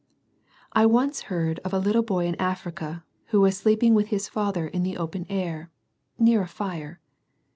I once heard of a little boy in Africa, who was sleeping with his father in the open air, near a fire.